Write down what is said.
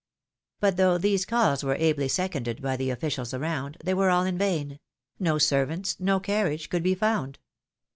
But though these calls were ably seconded by the officials around, they were all in vain ; no servants, no carriage could be found.